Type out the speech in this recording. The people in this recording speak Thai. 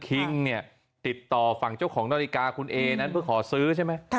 คิงเนี่ยติดต่อฝั่งเจ้าของนาฬิกาคุณเอนั้นเพื่อขอซื้อใช่ไหม